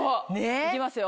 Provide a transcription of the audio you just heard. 行きますよ